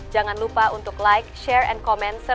jangan lupa untuk like share dan komen